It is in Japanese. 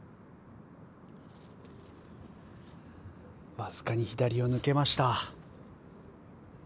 わずかに左を抜けました。